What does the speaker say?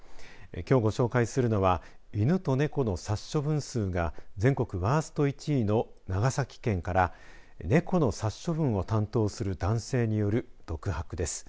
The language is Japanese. きょう、ご紹介するのは犬と猫の殺処分数が全国ワースト１位の長崎県から猫の殺処分を担当する男性による独白です。